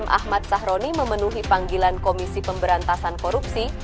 ahmad sahroni memenuhi panggilan komisi pemberantasan korupsi